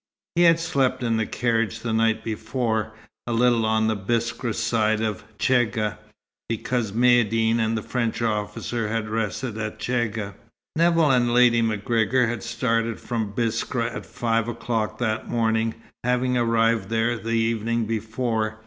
He had slept in the carriage the night before, a little on the Biskra side of Chegga, because Maïeddine and the French officer had rested at Chegga. Nevill and Lady MacGregor had started from Biskra at five o'clock that morning, having arrived there the evening before.